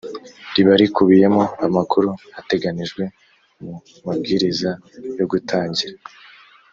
ribarikubiyemo amakuru ateganijwe mu mabwiriza yo gutangira